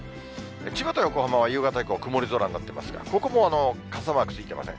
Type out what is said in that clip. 千葉と横浜は夕方以降、曇り空になってますが、ここも傘マークついてません。